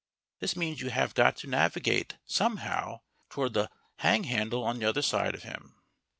This means you have got to navigate, somehow, toward the hang handle on the other side of him.